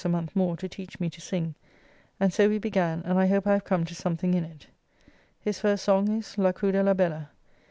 a month more to teach me to sing, and so we began, and I hope I have come to something in it. His first song is "La cruda la bella."